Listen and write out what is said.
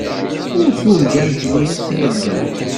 Ur turgamt yir tirga.